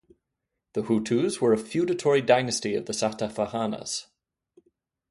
The Chutus were a feudatory dynasty of the Satavahanas.